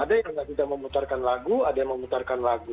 ada yang tidak bisa memutarkan lagu ada yang memutarkan lagu